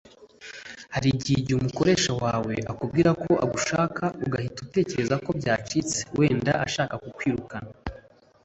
Hari igihe umukoresha wawe akubwira ko agushaka ugahita utekereza ko byacitse wenda ashaka kukwirukana